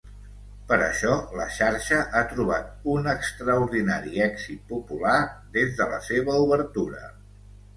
Per això, la xarxa ha trobat un extraordinari èxit popular des de la seva obertura.